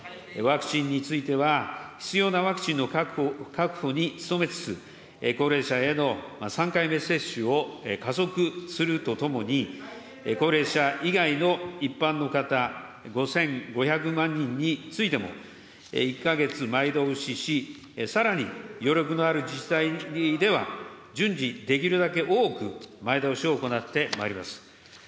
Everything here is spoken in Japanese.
ワクチンについては、必要なワクチンの確保に努めつつ、高齢者への３回目接種を加速するとともに、高齢者以外の一般の方５５００万人についても、１か月前倒しし、さらに余力のある自治体では、順次、できるだけ多く前倒しを行ってまいります。